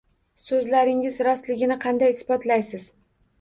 So`zlaringizning rostligini qanday isbotlaysiz